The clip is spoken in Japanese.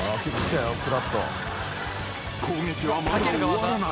［攻撃はまだ終わらない］